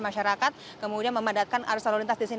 masyarakat kemudian memadatkan arus lalu lintas di sini